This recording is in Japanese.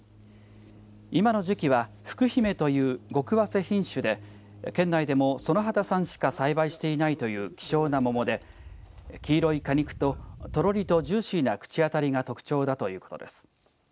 今の時期はふくひめという極わせ品種で県内でも園畑さんしか栽培していないという希少の桃で黄色い果肉ととろりとジューシーな口当たりが特徴だということです。